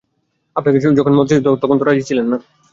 আপনাকে যখন মদ সেধেছিলাম, তখন বলেছিলেন, আপনি কখনো মদ খান না।